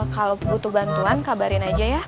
kalau butuh bantuan kabarin aja ya